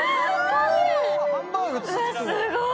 すごい！